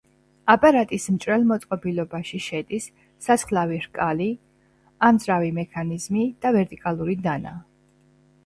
აპარატის მჭრელ მოწყობილობაში შედის სასხლავი რკალი, ამძრავი მექანიზმი და ვერტიკალური დანა.